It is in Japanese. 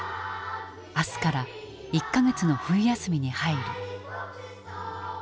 明日から１か月の冬休みに入る。